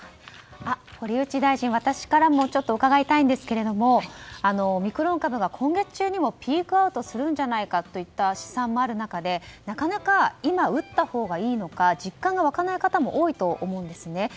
堀内大臣、私からも伺いたいんですけれどもオミクロン株が今月中にもピークアウトをするんじゃないかという試算もある中で、なかなか今打ったほうがいいのか実感が湧かない方も多いと思うんですね。